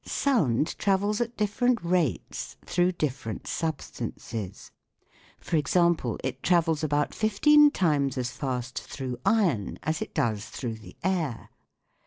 Sound travels at different rates through different substances. For example, it travels about fifteen times as fast through iron as it does through the air.